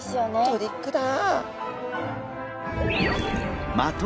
トリックだ！